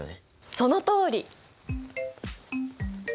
そのとおり！